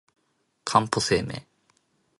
かんぽ生命